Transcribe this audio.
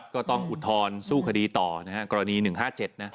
ก็ต้องอุดท้อนสู้คดีต่อนะครับกรณี๑๕๗นะ